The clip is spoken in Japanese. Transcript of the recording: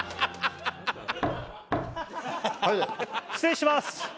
失礼します。